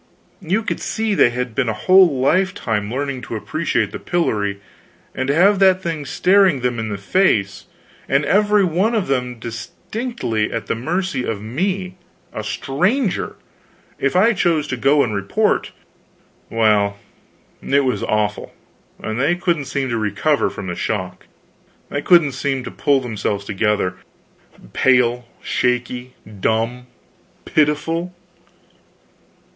You see they had been a whole lifetime learning to appreciate the pillory; and to have that thing staring them in the face, and every one of them distinctly at the mercy of me, a stranger, if I chose to go and report well, it was awful, and they couldn't seem to recover from the shock, they couldn't seem to pull themselves together. Pale, shaky, dumb, pitiful?